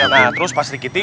nah terus pas dikitin